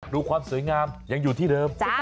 ดูความสวยงามยังอยู่ที่เดิม